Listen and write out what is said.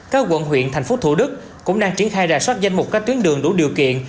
các quận huyện tp thủ đức cũng đang triển khai rà sát danh mục các tuyến đường đủ điều kiện